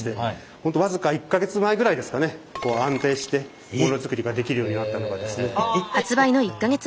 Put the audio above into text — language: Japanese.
本当僅か１か月前ぐらいですかね安定してモノづくりができるようになったのがですね。